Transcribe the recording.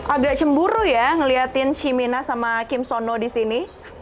agak cemburu ya ngeliatin shimina sama kim sono disini